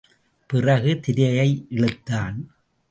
பிறகு திரையை இழுத்தான்.